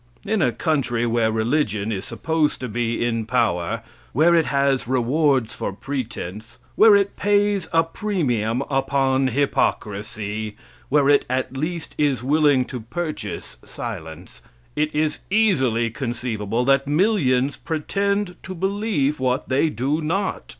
In a country where religion is supposed to be in power where it has rewards for pretense, where it pays a premium upon hypocrisy, where it at least is willing to purchase silence it is easily conceivable that millions pretend to believe what they do not.